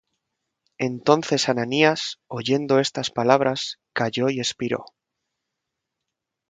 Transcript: Entonces Ananías, oyendo estas palabras, cayó y espiró.